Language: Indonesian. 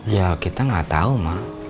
ya kita gak tau ma